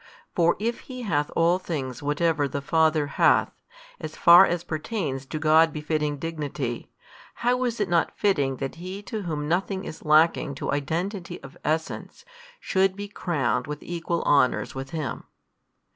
For if He hath all things whatever the Father hath, as far as appertains to God befitting Dignity, how is it not fitting that He to Whom nothing is lacking to Identity of essence should be crowned with equal honours with Him?